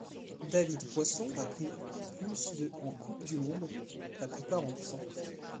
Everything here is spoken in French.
David Poisson a pris plus de en Coupe du monde, la plupart en descente.